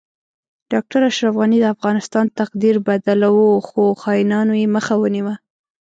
ډاکټر اشرف غنی د افغانستان تقدیر بدلو خو خاینانو یی مخه ونیوه